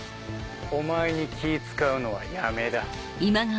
お前に気使うのはやめだ。